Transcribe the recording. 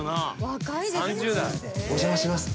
若いです。